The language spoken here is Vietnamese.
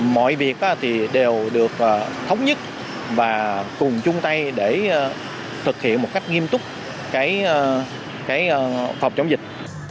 mọi việc đều được thống nhất và cùng chung tay để thực hiện một cách nghiêm túc phòng chống dịch